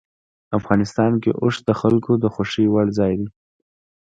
افغانستان کې اوښ د خلکو د خوښې وړ ځای دی.